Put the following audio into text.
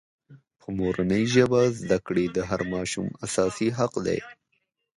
په مورنۍ ژبه زدکړې د هر ماشوم اساسي حق دی.